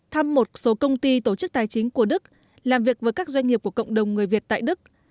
thăm một số công ty tổ chức tài chính của đức làm việc với các doanh nghiệp của cộng đồng người việt tại đức